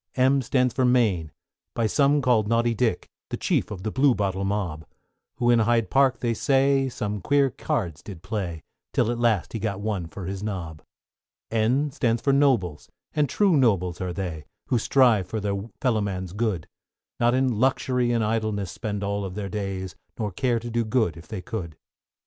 =M= stands for Mayne, by some called Naughty Dick, The chief of the Bluebottle mob; Who in Hyde Park, they say, some queer cards did play, Till at last he got one for his nob. =N= stands for Nobles, and true nobles are they, Who strive for their fellow man's good; Not in luxury and idleness spend all their days, Nor care to do good if they could.